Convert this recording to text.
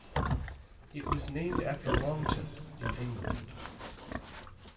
It was named after Longton, in England.